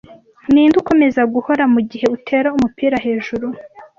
Ninde ukomeza guhora mugihe utera umupira hejuru